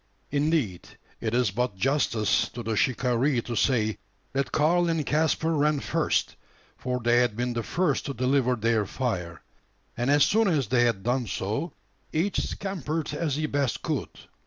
Indeed, it is but justice to the shikaree to say, that Karl and Caspar ran first: for they had been the first to deliver their fire; and as soon as they had done so, each scampered as he best could.